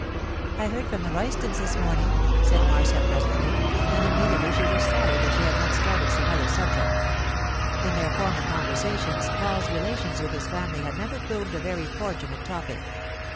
'I heard from the Roystons this morning,' said Marcia, presently, and immediately she was sorry that she had not started some other subject. In their former conversations Paul's relations with his family had never proved a very fortunate topic.